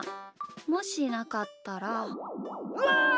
もしなかったら。わ！